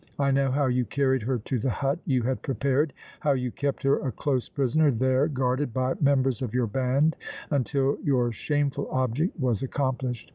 I know how you carried her to the hut you had prepared, how you kept her a close prisoner there guarded by members of your band until your shameful object was accomplished!